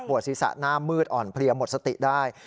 ศีรษะหน้ามืดอ่อนเพลียหมดสติได้